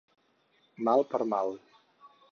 Mal per mal.